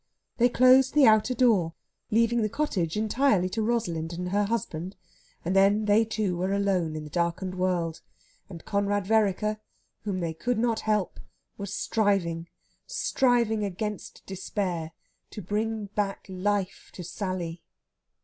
They closed the outer door, leaving the cottage entirely to Rosalind and her husband, and then they two were alone in the darkened world; and Conrad Vereker, whom they could not help, was striving striving against despair to bring back life to Sally.